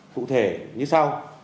cụ thể như sau